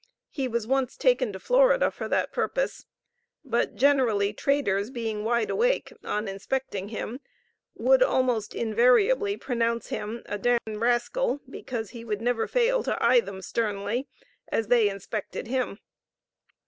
He was once taken to Florida, for that purpose; but, generally, traders being wide awake, on inspecting him, would almost invariably pronounce him a 'd n rascal,' because he would never fail to eye them sternly, as they inspected him.